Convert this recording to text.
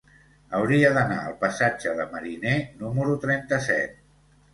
Hauria d'anar al passatge de Mariné número trenta-set.